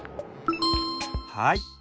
はい。